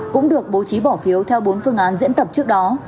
cũng được bố trí bỏ phiếu theo bốn phương án diễn tập trước đó